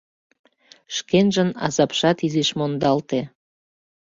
Шкенжын азапшат изиш мондалте.